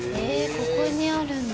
ここにあるんだ